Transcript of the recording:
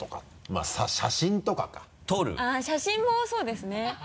あっ写真もそうですね。